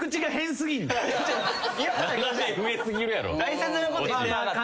大切なこと言ってなかった。